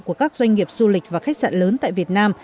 của các doanh nghiệp du lịch và khách sạn lớn tại việt nam